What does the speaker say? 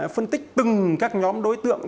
phân tích từng các nhóm đối tượng